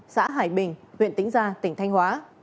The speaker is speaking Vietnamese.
xã hải bình huyện tĩnh gia tỉnh thanh hóa